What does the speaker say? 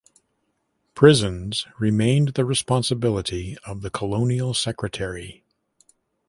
Prisons remained the responsibility of the Colonial Secretary.